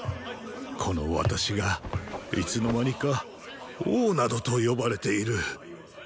この私がいつの間にか王などと呼ばれている。